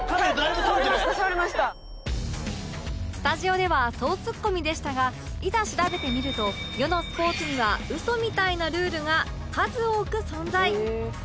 スタジオでは総ツッコミでしたがいざ調べてみると世のスポーツにはウソみたいなルールが数多く存在